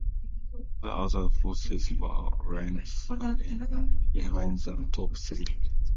The other horses were lengths again behind the top three.